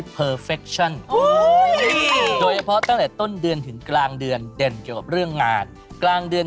เพอร์เฟคคือเรื่องงานกับเงิน